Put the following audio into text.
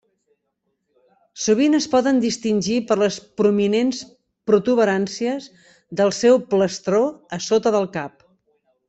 Sovint es poden distingir per les prominents protuberàncies del seu plastró a sota del cap.